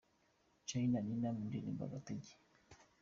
Charly na Nina mu ndirimbo "Agatege".